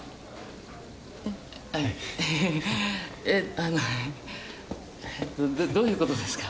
あのどどういうことですか？